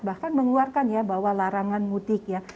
bahkan mengeluarkan ya bahwa larangan mudik ya